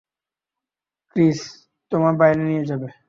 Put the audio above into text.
Chris তোমায় বাইরে নিয়ে যাবে।